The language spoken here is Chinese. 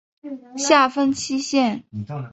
下分七县。